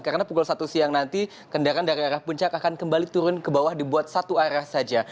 karena pukul satu siang nanti kendaraan dari arah puncak akan kembali turun ke bawah dibuat satu arah saja